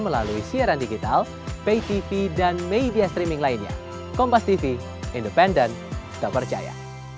melalui siaran digital pay tv dan media streaming lainnya kompas tv independen terpercaya